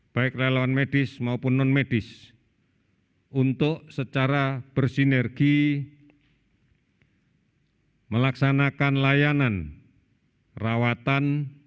baik relawan medis maupun non medis untuk secara bersinergi melaksanakan layanan rawatan